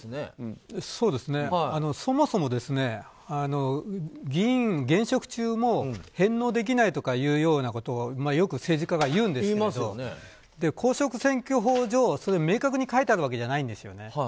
そもそも、議員現職中も返納できないということをよく政治家が言うんですが公職選挙法上明確に書いてあるわけじゃないんですよね。